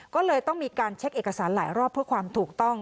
ก็เลยต้องมีการเช็คเอกสารหลายรอบเพื่อความถูกต้อง